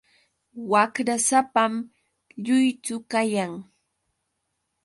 Waqrasapam lluychu kayan.